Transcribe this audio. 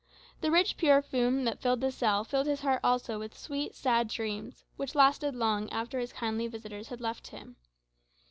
The rich perfume that filled the cell filled his heart also with sweet sad dreams, which lasted long after his kindly visitors had left him.